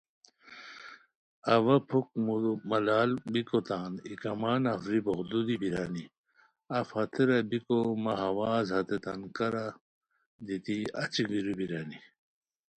اوا پُھک ملال بیکوتان ای کما نفری بوغدو دی بیرانی، اف ہتیرا بیکو مہ ہواز ہتیتان کارا دیتی اچی گیرو بیرانی